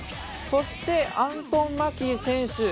そして、アントン・マキー選手。